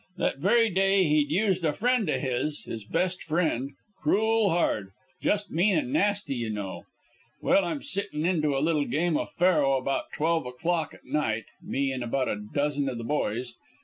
That very day he'd used a friend o' his his best friend cruel hard: just mean and nasty, you know. "Well, I'm sitting into a little game o' faro about twelve o'clock at night, me an' about a dozen o' the boys.